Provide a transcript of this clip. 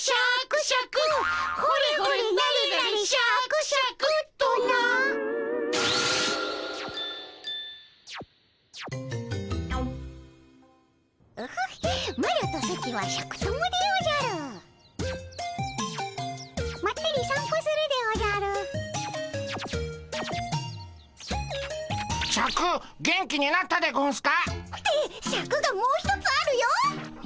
シャク元気になったでゴンスか？ってシャクがもう一つあるよっ！